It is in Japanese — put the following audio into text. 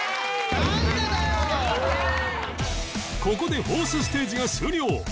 ここで ４ｔｈ ステージが終了